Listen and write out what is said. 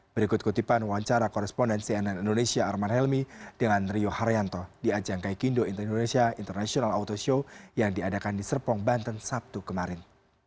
berikut kutipan wawancara korespondensi nn indonesia arman helmi dengan rio haryanto di ajang kaikindo indonesia international auto show yang diadakan di serpong banten sabtu kemarin